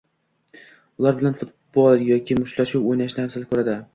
ular bilan futbol yoki mushtlashuv o‘ynashni afzal ko‘radi.